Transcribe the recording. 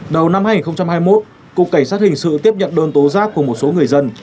đầu năm hai nghìn hai mươi một cục cảnh sát hình sự tiếp nhận đơn tố giác của một số người dân